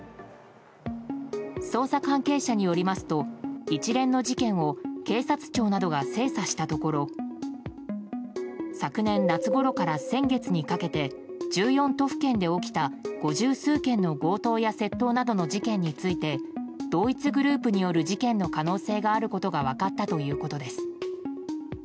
捜査関係者によりますと一連の事件を警察庁などが精査したところ昨年夏ごろから先月にかけて１４都府県で起きた五十数件の強盗や窃盗などの事件について同一グループによる事件の可能性があることが分かったということです。